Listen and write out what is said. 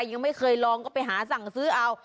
ยังไม่เคยลองก็ไปหาสั่งซื้อเอา